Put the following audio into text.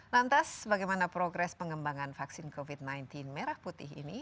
lantas bagaimana progres pengembangan vaksin covid sembilan belas merah putih ini